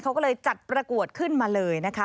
เขาก็เลยจัดประกวดขึ้นมาเลยนะคะ